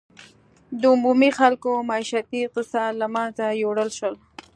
د بومي خلکو معیشتي اقتصاد له منځه یووړل شو.